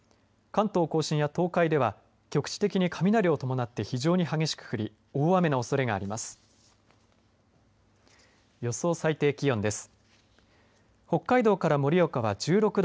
関東甲信や東海では局地的に雷を伴って非常に激しく降り大雨のおそれがあります。